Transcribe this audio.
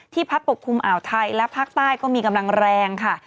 พัดปกคลุมอ่าวไทยและภาคใต้ก็มีกำลังแรงค่ะ